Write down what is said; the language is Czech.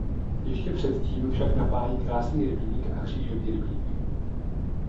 Ještě předtím však napájí Krásný rybník a Křížový rybník.